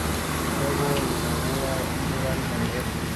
Luego inaugura un mural en el Rest.